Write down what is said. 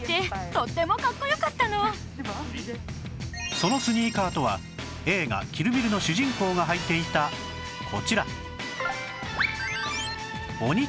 そのスニーカーとは映画『キル・ビル』の主人公が履いていたこちら